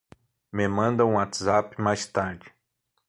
Me manda um WhatsApp mais tarde